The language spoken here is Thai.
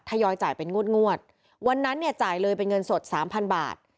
ทยอยจ่ายเป็นงวดงวดวันนั้นเนี่ยจ่ายเลยเป็นเงินสดสามพันบาท